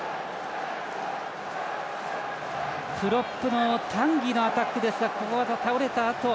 プロップのタンギのアタックですがここは、倒れたあと。